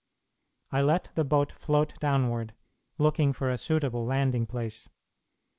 I let the boat float downward, looking for a suitable landing place.